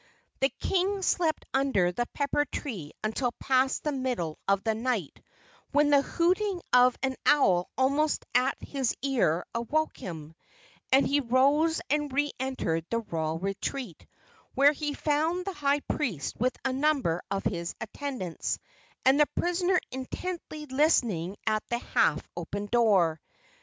The king slept under the pepper tree until past the middle of the night, when the hooting of an owl almost at his ear awoke him, and he rose and re entered the royal retreat, where he found the high priest with a number of his attendants, and the prisoner intently listening at the half open door.